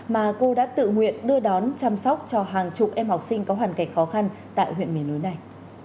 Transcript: mà cô đã tự nguyện đưa đón chăm sóc cho hàng chục em học sinh có hoàn cảnh khó khăn tại huyện miền núi này